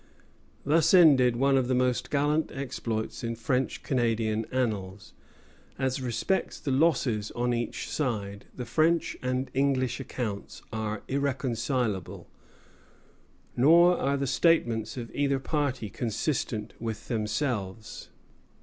Thus ended one of the most gallant exploits in French Canadian annals. As respects the losses on each side, the French and English accounts are irreconcilable; nor are the statements of either party consistent with themselves.